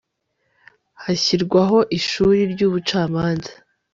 hashyirwaho ishuri ry'ubucamanza